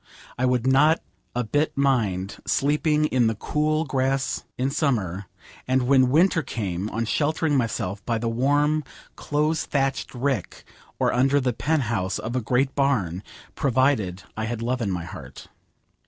I would not a bit mind sleeping in the cool grass in summer, and when winter came on sheltering myself by the warm close thatched rick, or under the penthouse of a great barn, provided I had love in my heart.